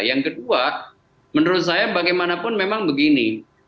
yang kedua menurut saya bagaimanapun memang begini